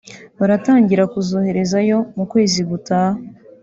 baratangira kuzoherezayo mu kwezi gutaha